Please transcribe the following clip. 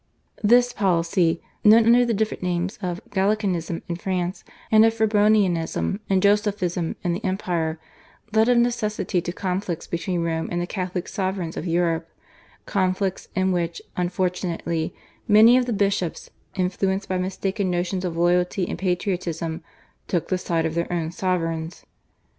This policy, known under the different names of Gallicanism in France, and of Febronianism and Josephism in the Empire, led of necessity to conflicts between Rome and the Catholic sovereigns of Europe, conflicts in which, unfortunately, many of the bishops, influenced by mistaken notions of loyalty and patriotism, took the side of their own sovereigns.